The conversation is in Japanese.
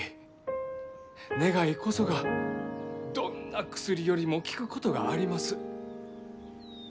願いこそがどんな薬よりも効くことがあります。